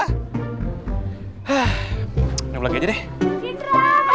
lihat lagi aja deh